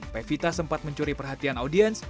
pevita sempat mencuri perhatian audiens